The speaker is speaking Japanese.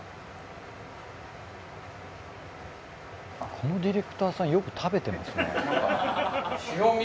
このディレクターさんよく食べてますね。